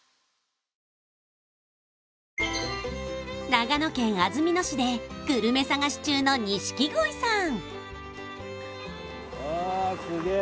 長野県安曇野市でグルメ探し中の錦鯉さん